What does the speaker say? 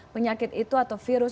penyakit itu atau virus